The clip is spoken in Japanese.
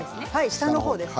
下のほうです。